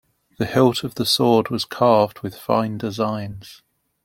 The hilt of the sword was carved with fine designs.